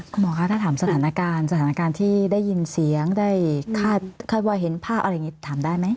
หมอคะถ้าถามสถานการณ์สถานการณ์ที่ได้ยินเสียงได้คาดว่าเห็นภาพอะไรอย่างนี้ถามได้ไหม